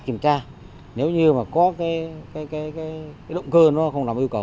kiểm tra nếu như mà có cái động cơ nó không đảm yêu cầu